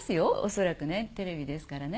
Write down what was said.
恐らくねテレビですからね。